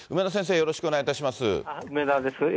よろしくお願いします。